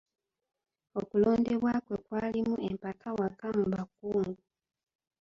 Okulondebwa kwe kwalimu empakawaka mu Bakungu.